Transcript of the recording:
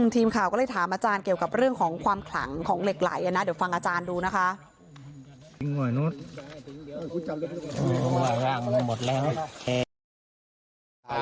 ทีมข่าวก็เลยถามอาจารย์เกี่ยวกับเรื่องของความขลังของเหล็กไหลนะเดี๋ยวฟังอาจารย์ดูนะคะ